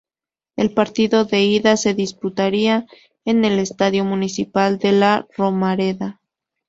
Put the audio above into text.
El partido de ida se disputaría en el Estadio Municipal de La Romareda.